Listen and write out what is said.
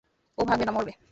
ও ভাঙ্গবে না, মরবে।